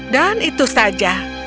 dan itu saja